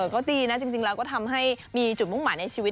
ก็ดีนะจริงแล้วก็ทำให้มีจุดมุ่งหมายในชีวิต